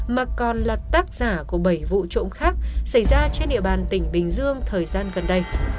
mà còn là tác giả của bảy vụ trộm khác xảy ra trên địa bàn tỉnh bình dương thời gian gần đây